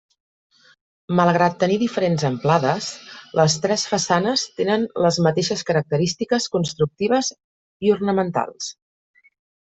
Malgrat tenir diferents amplades, les tres façanes tenen les mateixes característiques constructives i ornamentals.